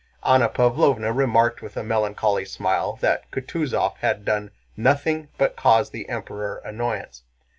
Anna Pávlovna remarked with a melancholy smile that Kutúzov had done nothing but cause the Emperor annoyance.